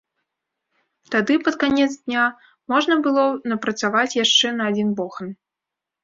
Тады пад канец дня можна было напрацаваць яшчэ на адзін бохан.